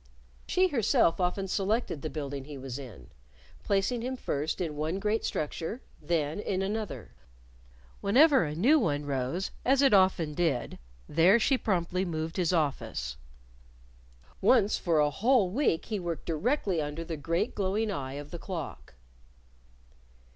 She herself often selected the building he was in, placing him first in one great structure, then in another. Whenever a new one rose, as it often did, there she promptly moved his office. Once for a whole week he worked directly under the great glowing eye of the clock.